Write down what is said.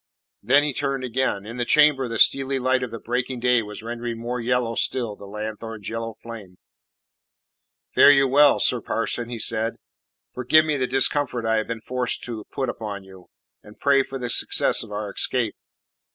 Then he turned again. In the chamber the steely light of the breaking day was rendering more yellow still the lanthorn's yellow flame. "Fare you well, sir parson," he said. "Forgive me the discomfort I have been forced to put upon you, and pray for the success of our escape.